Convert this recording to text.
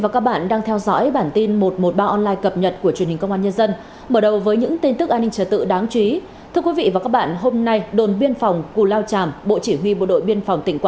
cảm ơn các bạn đã theo dõi